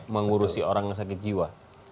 mengurusi orang yang sakit jiwa